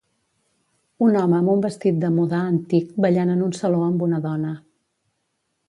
Un home amb un vestit de mudar antic ballant en un saló amb una dona.